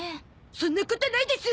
そんなことないです！